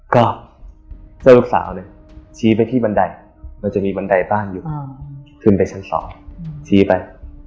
ก็เจอลูกสาวเนี่ยชี้ไปที่บันไดมันจะมีบันไดบ้านอยู่ขึ้นไปชั้น๒ชี้ไป